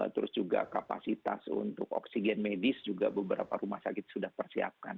terus juga kapasitas untuk oksigen medis juga beberapa rumah sakit sudah persiapkan